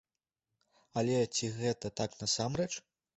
Але ці гэта так насамрэч?